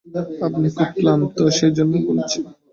আপনি খুব ক্লান্ত, সেই জন্যে বলছি।